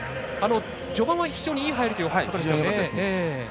序盤は非常にいい入りということでした。